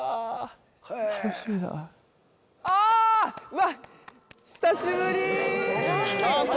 わっ久しぶり！